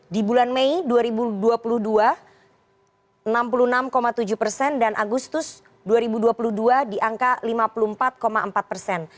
di bulan mei dua ribu dua puluh dua enam puluh enam tujuh persen dan agustus dua ribu dua puluh dua di angka lima puluh empat empat persen